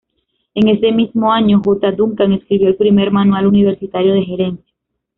En ese mismo año, J. Duncan escribió el primer manual universitario de gerencia.